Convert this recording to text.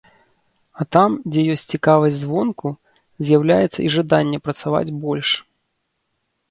А там, дзе ёсць цікавасць звонку, з'яўляецца і жаданне працаваць больш.